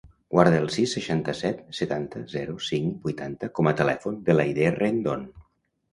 Guarda el sis, seixanta-set, setanta, zero, cinc, vuitanta com a telèfon de l'Aidé Rendon.